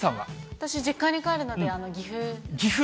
私、実家に帰るので岐阜。